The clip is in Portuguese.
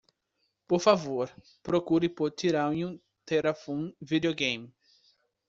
Por favor, procure por Thirayum Theeravum video game.